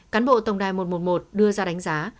cán bộ tổng đài một trăm một mươi một đưa ra đánh giá